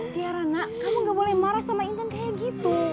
tiara nak kamu gak boleh marah sama intan kayak gitu